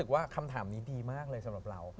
ว่าคำถามนี้ดีมากเลยสำหรับเรา